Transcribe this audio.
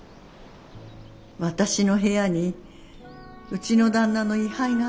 「私の部屋にうちの旦那の遺灰がある。